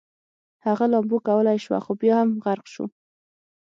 هغه لامبو کولی شوه خو بیا هم غرق شو